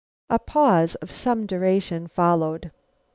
A pause of some duration followed.